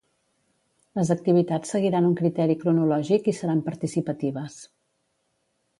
Les activitats seguiran un criteri cronològic i seran participatives.